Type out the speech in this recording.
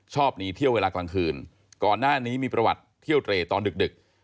หนีเที่ยวเวลากลางคืนก่อนหน้านี้มีประวัติเที่ยวเตรตอนดึก